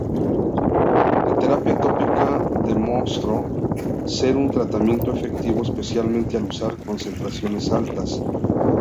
La terapia tópica de mostro ser un tratamiento efectivo, especialmente al usar concentraciones altas.